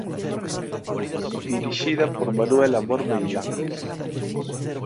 Dirixida por Manuel Amor Meilán.